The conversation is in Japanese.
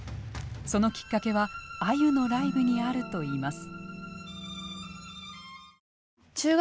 そのきっかけはあゆのライブにあるといいます。